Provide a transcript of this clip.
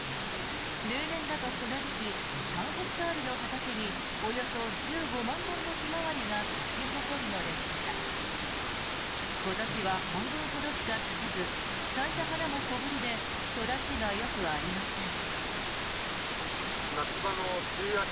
例年だと、この時期３ヘクタールの畑におよそ１５万本のヒマワリが咲き誇るのですが今年は半分ほどしか咲かず咲いた花も小ぶりで育ちがよくありません。